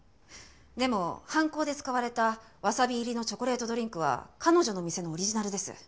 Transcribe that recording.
でも犯行で使われたわさび入りのチョコレートドリンクは彼女の店のオリジナルです。